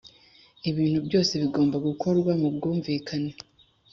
ibintu byose bigomba gukorwa mubwumvikane